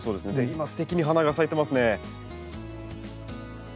今すてきに花が咲いてますね。